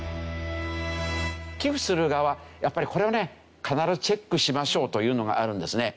寄付する側やっぱりこれはね必ずチェックしましょうというのがあるんですね。